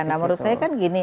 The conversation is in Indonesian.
nah menurut saya kan gini